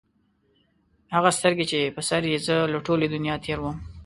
هغه سترګي چې په سر یې زه له ټولي دنیا تېر وم